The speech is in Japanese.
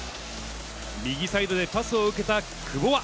右サイドでパスを受けた久保は。